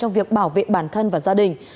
việc bảo vệ bản thân và gia đình